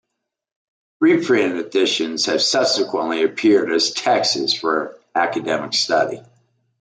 Reprint editions have subsequently appeared as texts for academic study.